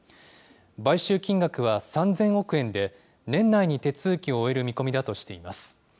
買収金額は３０００億円で、年内に手続きを終える見込みだとしています。